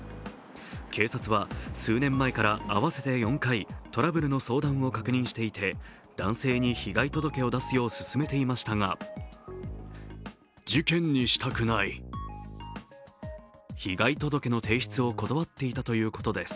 警察は、数年前から合わせて４回トラブルの相談を確認していて男性に被害届を出すよう勧めていましたが被害届の提出を断っていたということです。